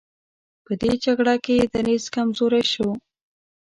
په دې جګړه کې یې دریځ کمزوری شو.